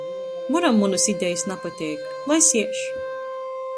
Muram munys idejis napateik. Lai siež!